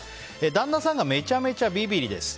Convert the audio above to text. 旦那さんがめちゃめちゃビビりです。